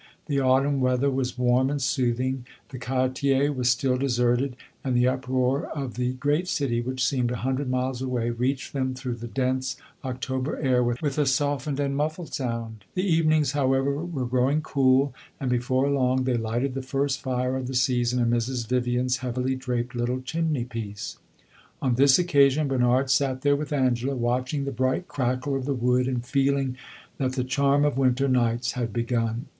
The autumn weather was warm and soothing, the quartier was still deserted, and the uproar of the great city, which seemed a hundred miles away, reached them through the dense October air with a softened and muffled sound. The evenings, however, were growing cool, and before long they lighted the first fire of the season in Mrs. Vivian's heavily draped little chimney piece. On this occasion Bernard sat there with Angela, watching the bright crackle of the wood and feeling that the charm of winter nights had begun.